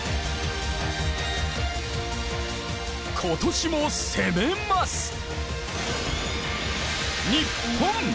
今年も攻めます。